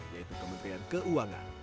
yaitu kementerian keuangan